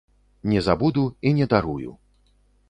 Не забуду і не дарую.